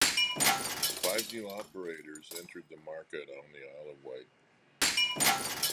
Five new operators entered the market on the Isle of Wight.